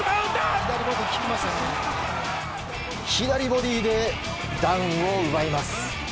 左ボディーでダウンを奪います。